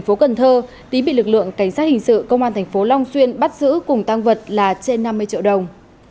phần thơ tý bị lực lượng cảnh sát hình sự công an tp long xuyên bắt giữ cùng tăng vật là trên năm mươi triệu đồng